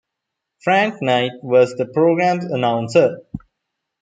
Frank Knight was the program's announcer.